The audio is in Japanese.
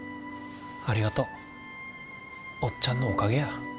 ありがとう。おっちゃんのおかげや。